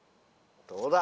どうだ？